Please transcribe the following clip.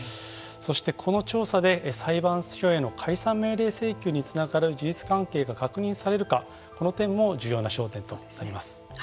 そして、この調査で裁判所への解散命令請求につながる事実関係が確認されるかこの点も重要な焦点となります。